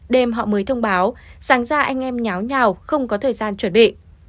đêm họ mới thông báo sáng ra anh em nháo nhào không có thời gian chuẩn bị